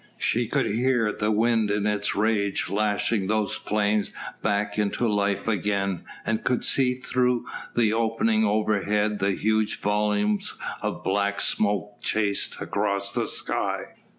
She could hear the wind in its rage lashing those flames back into life again, and could see through the opening overhead the huge volumes of black smoke chased across the sky.